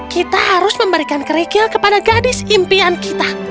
kita harus memberikan kerikil kepada gadis impian kita